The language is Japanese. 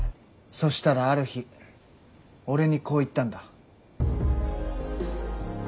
そしたらある日俺にこう言ったんだ。